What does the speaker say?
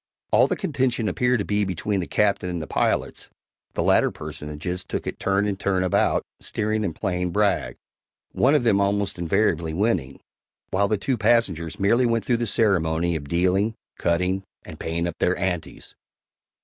All the contention appeared to be between the Captain and the pilots (the latter personages took it turn and turn about, steering and playing brag), one of them almost invariably winning, while the two passengers merely went through the ceremony of dealing, cutting, and paying up their "anties."